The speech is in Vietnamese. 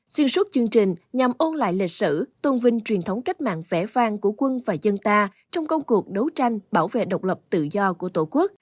xuyên suốt chương trình nhằm ôn lại lịch sử tôn vinh truyền thống cách mạng vẽ vang của quân và dân ta trong công cuộc đấu tranh bảo vệ độc lập tự do của tổ quốc